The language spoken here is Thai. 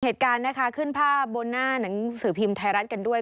เหตุการณ์นะคะขึ้นภาพบนหน้าหนังสือพิมพ์ไทยรัฐกันด้วย